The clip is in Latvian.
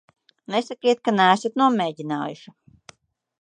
Nesakiet, ka neesat nomēģinājuši.